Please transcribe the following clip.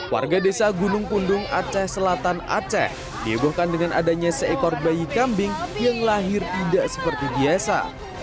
warga desa gunung pundung aceh selatan aceh dihebohkan dengan adanya seekor bayi kambing yang lahir tidak seperti biasa